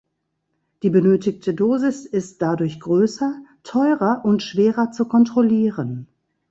Die benötigte Dosis ist dadurch größer, teurer und schwerer zu kontrollieren.